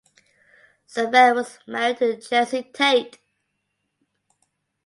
Saville was married to Jessie Tate.